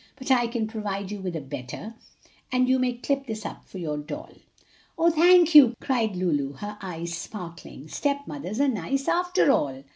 "But I can provide you with a better, and you may cut this up for your doll." "Oh, thank you!" cried Lulu, her eyes sparkling. "Step mothers are nice after all."